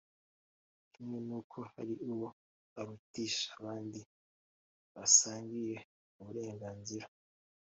kimwe n’uko hari uwo arutisha abandi basangiye uburengazira.